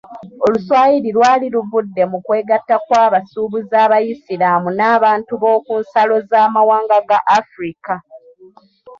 Oluswayiri lwali luvudde mu kwegatta kw'abasuubuzi abayisiraamu n'abantu b'oku nsalo z'amawanga ga Africa.